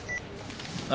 あ？